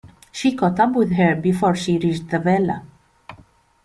She caught up with her before she reached the villa.